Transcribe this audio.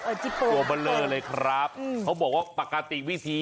เออจิ๊ดโป่มเบลอเลยครับอืมเขาบอกว่าปกติวิธี